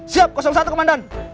siap satu komandan